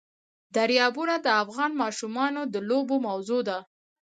دریابونه د افغان ماشومانو د لوبو موضوع ده.